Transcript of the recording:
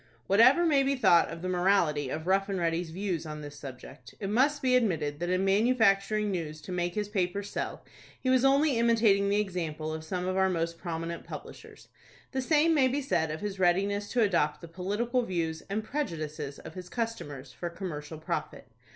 Whatever may be thought of the morality of Rough and Ready's views on this subject, it must be admitted that in manufacturing news to make his papers sell, he was only imitating the example of some of our most prominent publishers. The same may be said of his readiness to adopt the political views and prejudices of his customers, for commercial profit.